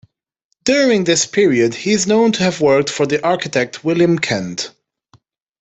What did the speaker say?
During this period he is known to have worked for the architect William Kent.